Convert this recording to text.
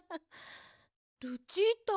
ルチータ。